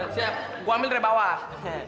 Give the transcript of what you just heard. siap gue ambil dari bawah